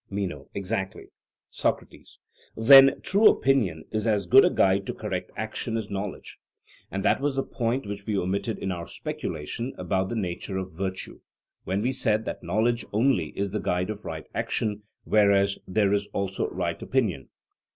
MENO: Exactly. SOCRATES: Then true opinion is as good a guide to correct action as knowledge; and that was the point which we omitted in our speculation about the nature of virtue, when we said that knowledge only is the guide of right action; whereas there is also right opinion.